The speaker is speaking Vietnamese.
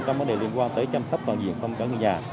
trong vấn đề liên quan đến chăm sóc toàn diện của người nhà